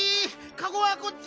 かごはこっち。